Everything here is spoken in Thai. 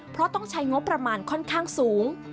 เพราะต้องใช้งบประมาณค่อนข้างสูง